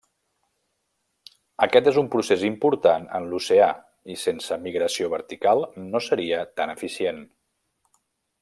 Aquest és un procés important en l'oceà i sense migració vertical, no seria tan eficient.